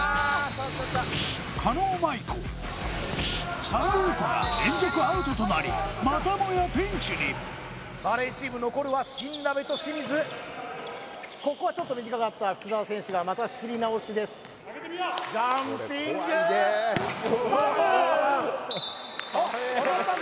狩野舞子佐野優子が連続アウトとなりまたもやピンチにバレーチーム残るは新鍋と清水ここはちょっと短かった福澤選手がまた仕切り直しですジャンピングサーブ！